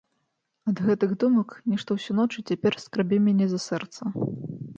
Ад гэтых думак нешта ўсю ноч і цяпер скрабе мяне за сэрца.